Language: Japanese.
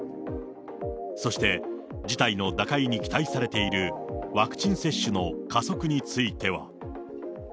そして、事態の打開に期待されているワクチン接種の加速については。